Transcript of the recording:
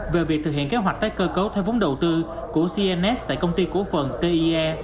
về việc thực hiện kế hoạch tái cơ cấu theo vốn đầu tư của cns tại công ty cổ phần tie